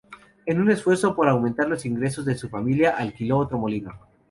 En un esfuerzo por aumentar los ingresos de su familia, alquiló otro molino.